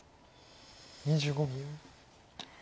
２５秒。